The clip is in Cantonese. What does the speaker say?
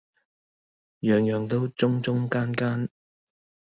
樣樣都中中間間